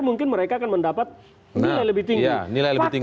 mungkin mereka akan mendapat nilai lebih tinggi